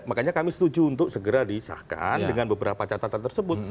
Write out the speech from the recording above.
makanya kami setuju untuk segera disahkan dengan beberapa catatan tersebut